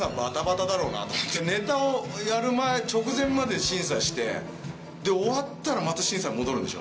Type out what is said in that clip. ネタをやる直前まで審査して終わったらまた審査に戻るんでしょ？